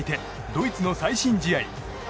ドイツの最新試合。